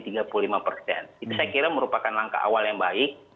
itu saya kira merupakan langkah awal yang baik